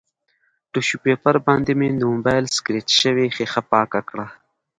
ټیشو پیپر باندې مې د مبایل سکریچ شوې ښیښه پاکه کړه